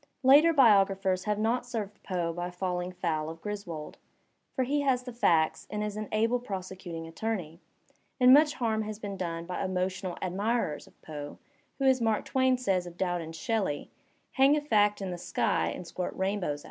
Later biographers have not served Poe by falling foul of Griswold. For he has the facts and is an able prosecuting attorney. And much harm has been done by emotional admirers of Poe who, as Mark Twain says of Dowden's Shelley, "hang a fact in the sky and squirt rainbows at it.